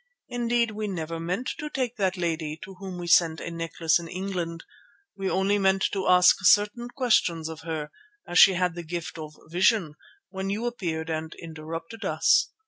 Indeed, we never meant to take that lady to whom we sent a necklace in England. We only meant to ask certain questions of her, as she had the gift of vision, when you appeared and interrupted us.